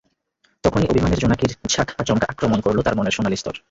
তখনই অভিমানের জোনাকির ঝাঁক আচমকা আক্রমণ করল তার মনের সোনালি স্তর।